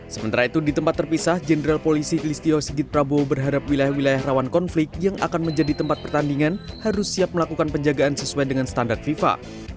sementara itu di tempat terpisah jenderal polisi listio sigit prabowo berharap wilayah wilayah rawan konflik yang akan menjadi tempat pertandingan harus siap melakukan penjagaan sesuai dengan standar fifa